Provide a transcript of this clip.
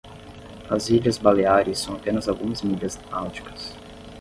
As Ilhas Baleares são apenas algumas milhas náuticas.